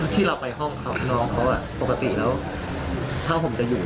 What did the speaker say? ที่เราไปห้องครับน้องเขาอ่ะปกติแล้วผ้าห่มจะอยู่